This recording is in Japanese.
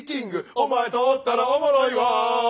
お前とおったらおもろいわ！